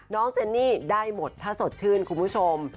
เจนนี่ได้หมดถ้าสดชื่นคุณผู้ชม